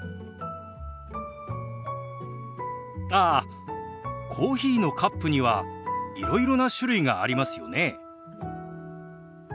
ああコーヒーのカップにはいろいろな種類がありますよね。